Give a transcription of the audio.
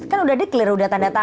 kan sudah declare sudah tanda tangan